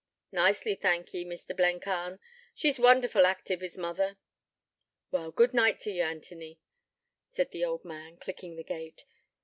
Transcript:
'Nicely, thank ye, Mr. Blencarn. She's wonderful active, is mother.' 'Well, good night to ye, Anthony,' said the old man, clicking the gate.